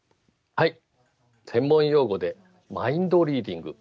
専門用語でマインドリーディング。